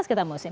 atas kita musim